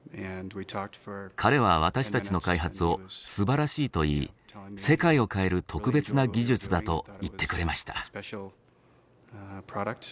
彼は私たちの開発を「すばらしい」と言い「世界を変える特別な技術だ」と言ってくれました。